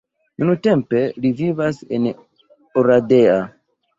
Nuntempe li vivas en Oradea.